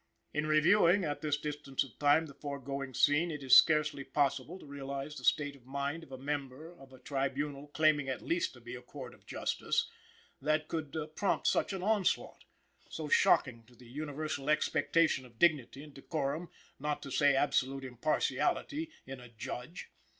In reviewing, at this distance of time, the foregoing scene, it is scarcely possible to realize the state of mind of a member of a tribunal claiming at least to be a court of justice, that could prompt such an onslaught so shocking to the universal expectation of dignity and decorum, not to say absolute impartiality, in a judge.